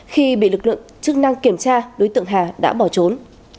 khi bị lực lượng chức năng kiểm tra đối tượng hà đã bỏ trốn